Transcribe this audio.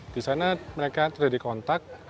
disana mereka terjadi kontak